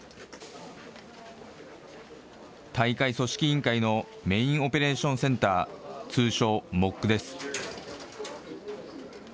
大会組織委員会のメインオペレーションセンター、通称ＭＯＣです。